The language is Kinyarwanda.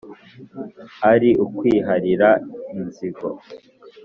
Ari ukwiharira inzigo